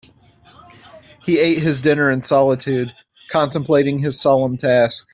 He ate his dinner in solitude, contemplating his solemn task.